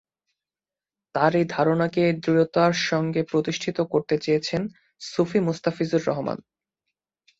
তার এই ধারণাকে দৃঢ়তার সঙ্গে প্রতিষ্ঠিত করতে চেয়েছেন সুফি মোস্তাফিজুর রহমান।